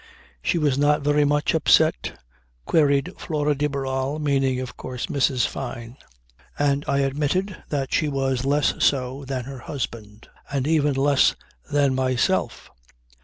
"She was not very much upset?" queried Flora de Barral, meaning, of course, Mrs. Fyne. And I admitted that she was less so than her husband and even less than myself.